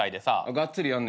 がっつりやんねや。